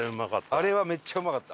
あれはめっちゃうまかった。